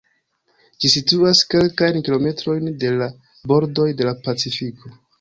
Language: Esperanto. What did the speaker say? Ĝi situas kelkajn kilometrojn de la bordoj de la Pacifiko.